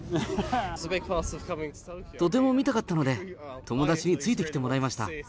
とても見たかったので、友達についてきてもらいました。